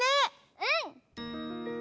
うん！